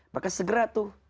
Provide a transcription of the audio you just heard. maka segera tuh